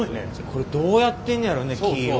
これどうやってんねやろね木を。